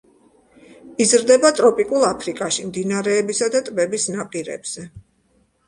იზრდება ტროპიკულ აფრიკაში, მდინარეებისა და ტბების ნაპირებზე.